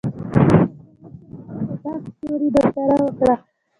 هغوی د سړک پر غاړه د پاک ستوري ننداره وکړه.